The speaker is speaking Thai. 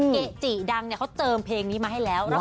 เก๋จีดังเขาเจิมเพลงนี่มาให้แล้วว้าว